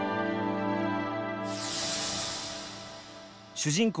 主人公